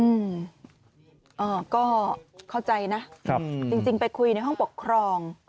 อืมก็เข้าใจนะจริงไปคุยในห้องปกครอง